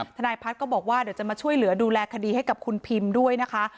ทนายพัฒน์ก็บอกว่าเดี๋ยวจะมาช่วยเหลือดูแลคดีให้กับคุณพิมด้วยนะคะ